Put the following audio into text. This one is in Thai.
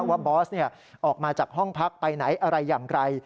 บอสออกมาจากห้องพักไปไหนอะไรอย่างไร